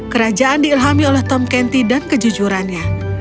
kerajaan diilhami oleh tom canty dan kejujurannya